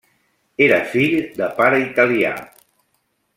Era fill de pare italià.